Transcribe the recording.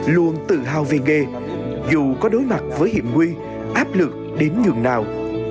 luôn tự hào về nghề dù có đối mặt với hiệp nguy áp lực đến nhường nào